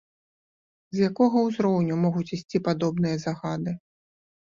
З якога узроўню могуць ісці падобныя загады?